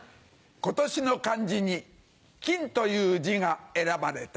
今年の漢字に「金」という字が選ばれた。